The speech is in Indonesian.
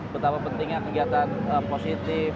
betapa pentingnya kegiatan positif